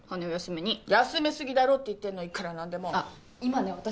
羽を休めに休めすぎだろって言ってんのいくら何でもあっ今ね